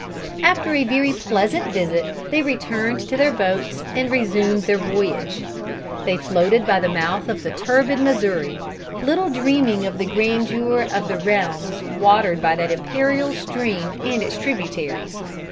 After a very pleasant visit they returned to their boats and resumed their voyage. They floated by the mouth of the turbid Missouri, little dreaming of the grandeur of the realms watered by that imperial stream and its tributaries.